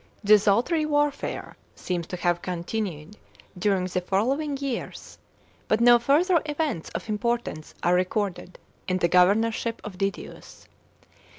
Desultory warfare seems to have con tinued during the following years, but no further events of import ance are recorded in the governorship of Didius.